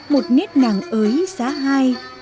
một nét nàng ới giá hai